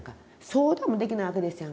相談もできないわけですやんか。